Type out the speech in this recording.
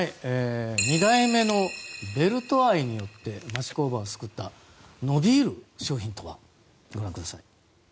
２代目のベルト愛によって町工場を救った伸びる商品とは？